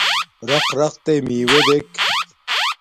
رقرَتݵئ مݵݸݺ دݵک.